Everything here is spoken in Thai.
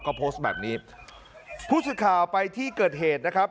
ก็โพสต์แบบนี้ผู้สื่อข่าวไปที่เกิดเหตุนะครับ